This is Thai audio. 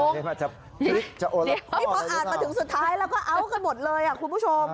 นี่พออ่านมาถึงสุดท้ายแล้วก็เอาท์กันหมดเลยอ่ะคุณผู้ชม